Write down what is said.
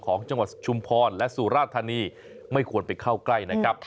ของจังหวัดชุมพรและสุราธานีไม่ควรไปเข้าใกล้นะครับ